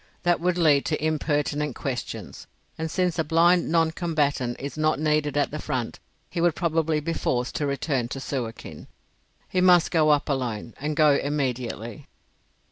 That would lead to impertinent questions, and since a blind non combatant is not needed at the front, he would probably be forced to return to Suakin. He must go up alone, and go immediately.